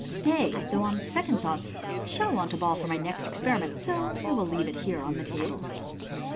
Stay, though, on second thoughts, I shall want a ball for my next experiment, so I will leave it here on the table."